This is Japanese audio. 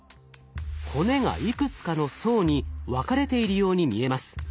骨がいくつかの層に分かれているように見えます。